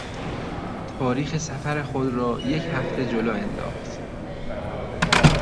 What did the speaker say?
تاریخ سفر خود را یک هفته جلو انداخت.